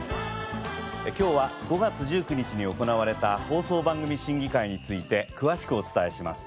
今日は５月１９日に行われた放送番組審議会について詳しくお伝えします。